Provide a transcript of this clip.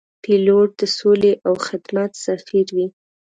پیلوټ د سولې او خدمت سفیر وي.